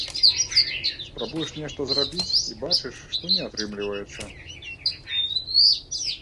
Спрабуеш нешта зрабіць, і бачыш, што не атрымліваецца.